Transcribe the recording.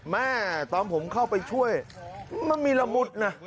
แม่ตอนผมเข้าไปช่วยมันมีละมุดนะ